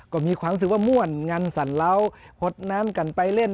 ก็มีความรู้สึกว่าม่วนงันสั่นเหล้าหดน้ำกันไปเล่น